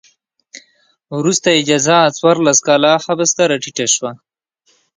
وروسته یې جزا څوارلس کاله حبس ته راټیټه شوه.